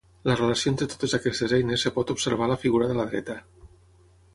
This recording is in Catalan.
La relació entre totes aquestes eines es pot observar a la figura de la dreta.